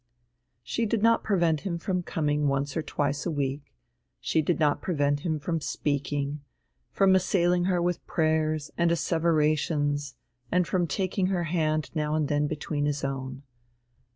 She did not prevent him from coming once or twice a week; she did not prevent him from speaking, from assailing her with prayers and asseverations and from taking her hand now and then between his own.